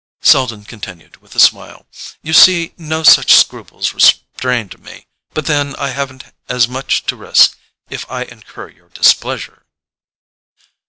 Selden continued with a smile: "You see no such scruples restrained me; but then I haven't as much to risk if I incur your displeasure."